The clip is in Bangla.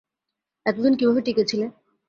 এত দিন কীভাবে টিকে ছিলে?